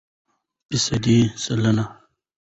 فیصده √ سلنه